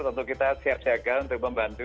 tentu kita siap siaga untuk membantu